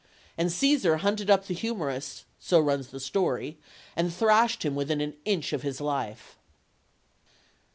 And Caesar hunted up the humorist, so runs the story, and thrashed him within an inch of his life.